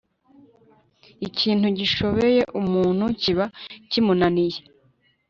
ikintu gishobeye umuntu kiba kimunaniye